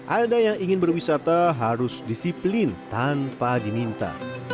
ada yang ingin berwisata harus disiplin tanpa diminta